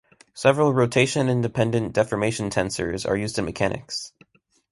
Several rotation-independent deformation tensors are used in mechanics.